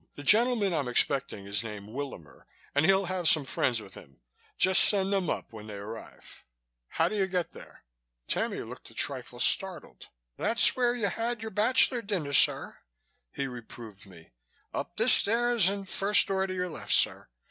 The gentleman I'm expecting is named Willamer and he'll have some friends with him. Just send them up when they arrive. How do you get there?" Tammy looked a trifle startled. "That's where you had your bachelor dinner, sir," he reproved me. "Up the stairs and first door to your left, sir.